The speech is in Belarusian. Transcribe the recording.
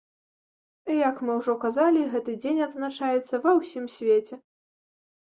Як мы ўжо казалі, гэты дзень адзначаецца ва ўсім свеце.